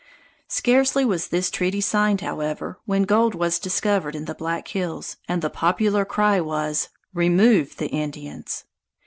Scarcely was this treaty signed, however, when gold was discovered in the Black Hills, and the popular cry was: "Remove the Indians!"